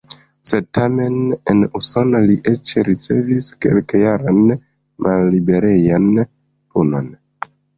Sed tamen, en Usono li eĉ ricevis kelkjaran malliberejan punon!